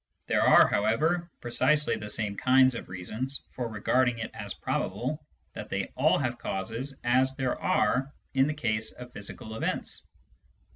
There are, however, precisely the same kinds of reasons for regarding it as probable that they all have causes as there are in the case of physical events.